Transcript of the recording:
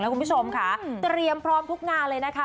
คุณผู้ชมค่ะเตรียมพร้อมทุกงานเลยนะคะ